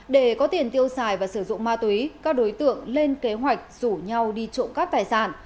để có tiền tiêu xài và sử dụng ma túy các đối tượng lên kế hoạch rủ nhau đi trộm cắp tài sản